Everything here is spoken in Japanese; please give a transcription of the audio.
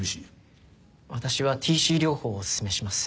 私はＴＣ療法をおすすめします。